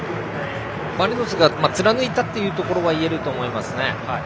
マリノスが貫いたということはいえると思います。